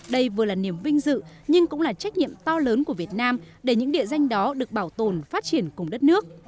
đây vừa là niềm vinh dự nhưng cũng là trách nhiệm to lớn của việt nam để những địa danh đó được bảo tồn phát triển cùng đất nước